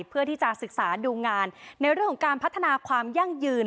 เพื่อที่จะศึกษาดูงานในเรื่องของการพัฒนาความยั่งยืน